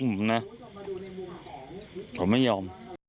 ผมไม่ยอม